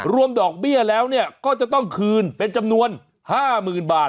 ดอกเบี้ยแล้วก็จะต้องคืนเป็นจำนวน๕๐๐๐บาท